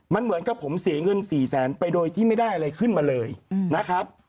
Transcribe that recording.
มันเหมือนกับผมเสียเงิน๔แสนไปโดยที่ไม่ได้อะไรขึ้นมาเลยนะครับ